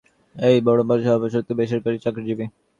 এর বড় অংশই অবসরপ্রাপ্ত সরকারি বেসরকারি চাকরিজীবী।